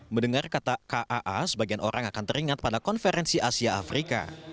mendengar kata kaa sebagian orang akan teringat pada konferensi asia afrika